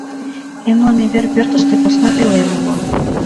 — Эмлыме вер пӧртыштӧ посна пӧлем уло.